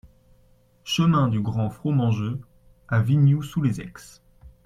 Chemin du Grand Fromangeux à Vignoux-sous-les-Aix